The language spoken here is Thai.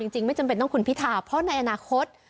จริงไม่จำเป็นต้องคุณพิธาเพราะในอนาคต